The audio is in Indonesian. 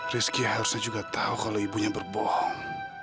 rizky harusnya juga tahu kalau ibunya berbohong